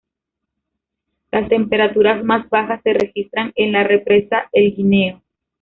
Las temperaturas más bajas se registran en la Represa el Guineo.